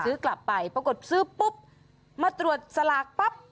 ซื้อกลับไปปรากฏซื้อปุ๊บมาตรวจสลากปั๊บ